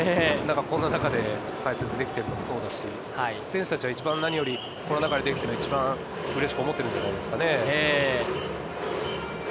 この中で解説できてるのもそうですし、選手たちは何よりこの中でできてるのがうれしく思ってると思います。